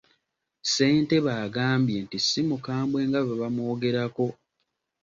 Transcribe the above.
Ssentebe agambye nti ssi mukambwe nga bwe bamwogerako.